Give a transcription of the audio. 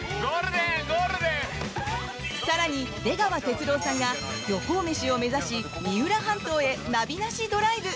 更に、出川哲朗さんが漁港メシを目指し三浦半島へナビなしドライブ！